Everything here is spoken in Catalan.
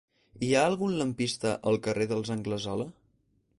Hi ha algun lampista al carrer dels Argensola?